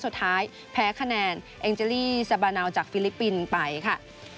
สุดท้ายแพ้คะแนนเอ็งเจลี่ซาบานาวจากฟิลิปปินส์ไปค่ะ